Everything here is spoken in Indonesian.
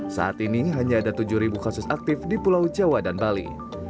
saat ini hanya ada tujuh kasus aktif di pulau jawa dan bali